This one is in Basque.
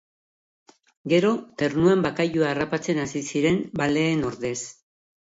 Gero, Ternuan bakailaoa harrapatzen hasi ziren, baleen ordez.